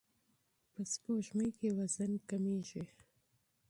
په سپوږمۍ کې وزن کمیږي.